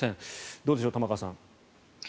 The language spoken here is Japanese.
どうでしょう、玉川さん。